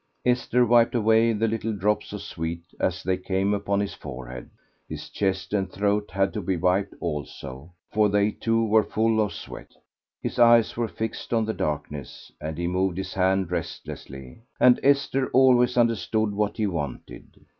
Esther wiped away the little drops of sweat as they came upon his forehead; his chest and throat had to be wiped also, for they too were full of sweat. His eyes were fixed on the darkness and he moved his hand restlessly, and Esther always understood what he wanted.